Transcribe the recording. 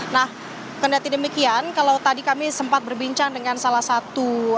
nah kendati demikian kalau tadi kami sempat berbincang dengan salah satu